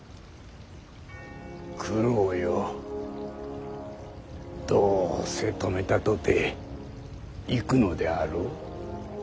九郎よどうせ止めたとて行くのであろう。